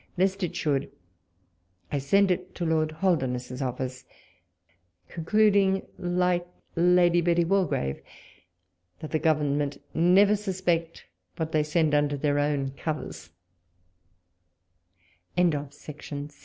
Lest it should, I send it to Lord Holdernesse's office ; concluding, like Lady Betty Waldegrave, that the Government never suspect what they send under their own covers. A YEAR OF VICTORY.